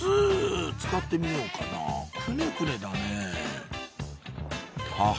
使ってみようかなクネクネだねはっ